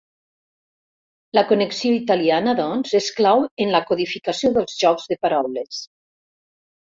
La connexió italiana, doncs, és clau en la codificació dels jocs de paraules.